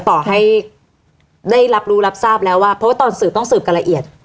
ต่อให้ได้รับรู้รับทราบแล้วว่าเพราะว่าตอนสืบต้องสืบกันละเอียด